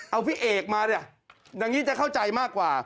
เอาพี่เอกมาเนี่ยดังนี้จะเข้าใจมากกว่า